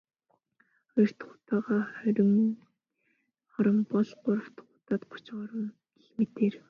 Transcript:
Хоёр дахь удаагаа хорин хором бол.. Гурав дахь удаад гучин хором гэх мэтээр.